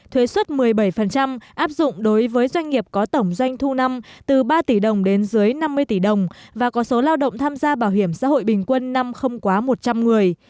thuế xuất một mươi bảy áp dụng đối với doanh nghiệp có tổng doanh thu năm từ ba tỷ đồng đến dưới năm mươi tỷ đồng và có số lao động tham gia bảo hiểm xã hội bình quân năm không quá một trăm linh người